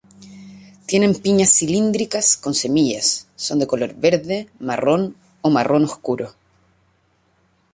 Tienen piñas cilíndricas con semillas, son de color verde, marrón o marrón oscuro.